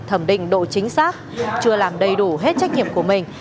thẩm định độ chính xác chưa làm đầy đủ hết trách nhiệm của mình